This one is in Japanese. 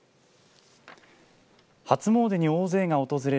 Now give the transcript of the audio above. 初詣に大勢が訪れる